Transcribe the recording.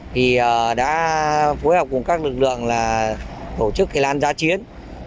thì đã phối hợp cùng các lực lượng là tổ chức cái lan giá chiến